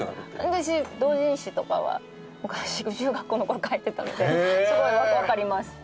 私同人誌とかは昔中学校の頃描いてたのですごいわかります。